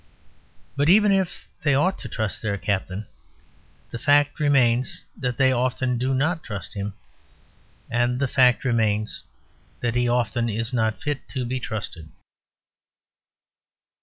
But even if they ought to trust their captain, the fact remains that they often do not trust him; and the fact remains that he often is not fit to be trusted.